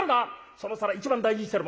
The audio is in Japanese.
その皿一番大事にしてるもんだ。